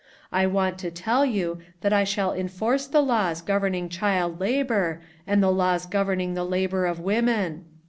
"I want to tell you that I shall enforce the laws governing child labor and the laws governing the labor of women.